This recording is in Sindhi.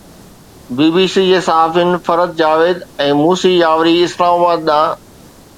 بي بي سي جي صحافين فرحت جاويد ۽ موسيٰ ياوري، اسلام آباد ڏانهن